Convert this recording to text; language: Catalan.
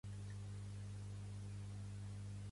Però quina cosa s'han pensat que són, aquesta bordisalla?